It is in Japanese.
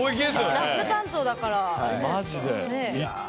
ラップ担当だから。